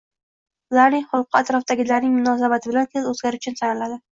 Ularning xulqi atrofdagilarning munosabati bilan tez o`zgaruvchan sanaladi